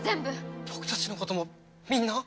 僕たちのこともみんな？